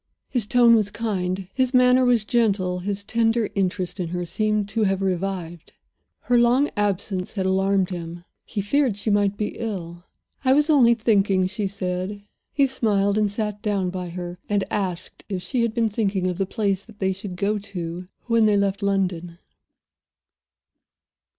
His tone was kind; his manner was gentle; his tender interest in her seemed to have revived. Her long absence had alarmed him; he feared she might be ill. "I was only thinking," she said. He smiled, and sat down by her, and asked if she had been thinking of the place that they should go to when they left London.